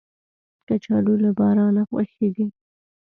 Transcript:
کچالو له بارانه خوښیږي